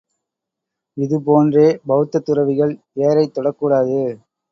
இது போன்றே பெளத்தத் துறவிகள் ஏரைத் தொடக்கூடாது.